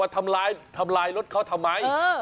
ทำลายรถเขาทำไม